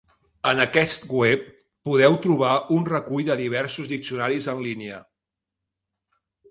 En aquest web podeu trobar un recull de diversos diccionaris en línia.